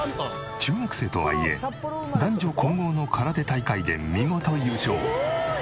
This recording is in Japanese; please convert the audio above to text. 中学生とはいえ男女混合の空手大会で見事優勝。